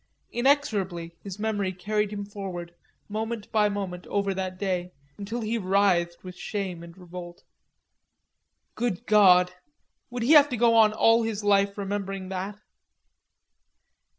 Inexorably his memory carried him forward, moment by moment, over that day, until he writhed with shame and revolt. Good god! Would he have to go on all his life remembering that?